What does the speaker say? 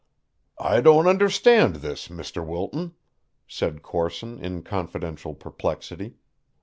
"I don't understand this, Mr. Wilton," said Corson in confidential perplexity.